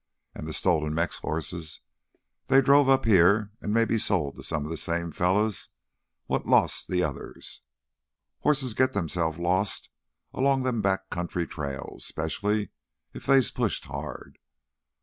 An' th' stolen Mex hosses, they's drove up here an' maybe sold to some of th' same fellas what lost th' others. Hosses git themselves lost 'long them back country trails, specially if they's pushed hard.